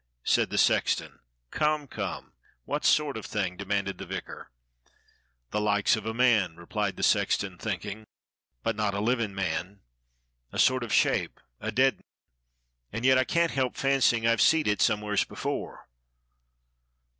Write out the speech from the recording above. said the sexton. "Come, come, what sort of thing.?" demanded the vicar. "The likes of a man," repHed the sexton, thinking. 64 DOCTOR SYN "but not a livin' man — a sort of shape — a. dead 'un — and yet I can't help fancying I've seed it somewheres before.